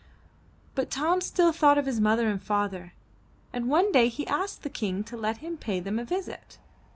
But Tom still thought of his mother and father, and one day he asked the King to let him pay them a visit.